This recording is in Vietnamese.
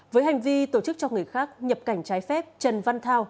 với hành vi tổ chức cho người khác nhập cảnh trái phép trần văn thao